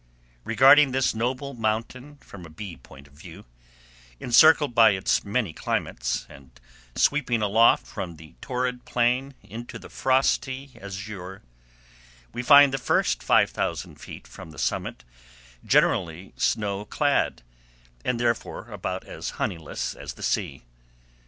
Regarding this noble mountain from a bee point of view, encircled by its many climates, and sweeping aloft from the torrid plain into the frosty azure, we find the first 5000 feet from the summit generally snow clad, and therefore about as honeyless as the sea.